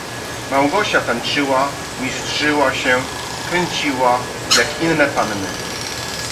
"Małgosia tańczyła, mizdrzyła się, kręciła, jak inne panny."